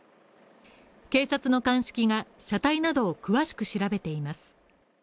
警察の鑑識が、車体などを詳しく調べています。